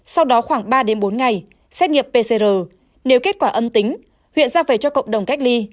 sau đó khoảng ba bốn ngày xét nghiệm pcr nếu kết quả âm tính huyện ra về cho cộng đồng cách ly